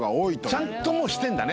ちゃんともうしてるんだね。